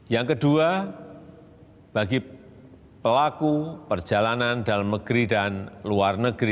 yang kedua bagi pelaku perjalanan dalam negeri dan luar negeri